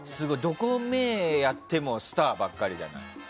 どこに目をやってもスターばっかりじゃない？